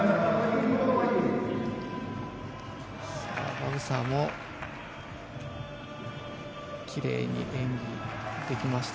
バブサーも奇麗に演技できました。